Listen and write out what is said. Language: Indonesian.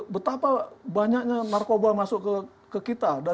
betapa banyaknya narkoba masuk ke kita